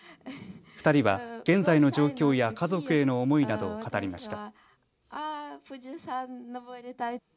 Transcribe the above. ２人は現在の状況や家族への思いなどを語りました。